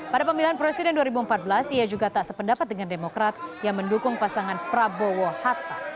pada pemilihan presiden dua ribu empat belas ia juga tak sependapat dengan demokrat yang mendukung pasangan prabowo hatta